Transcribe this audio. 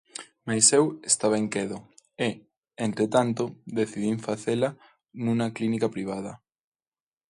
Mais eu estaba inquedo e, entre tanto, decidín facela nunha clínica privada.